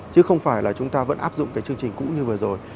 chứ không phải là chúng ta vẫn áp dụng cái chương trình cũ như vừa rồi